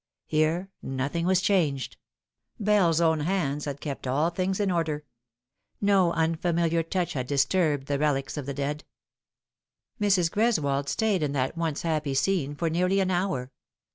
Here nothing was changed. Bell's own hands Lad kept all things in order. No unfamiliar touch had disturbed the relics of the dead. Mrs. Ores wold stayed in that once happy scene for nearly aa hour.